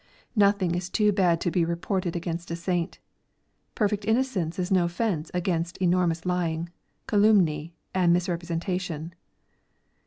Nothing is too bad to be reported against a saint. Perfect innocence is njD fence against enormous lying, calumny, and mis representation.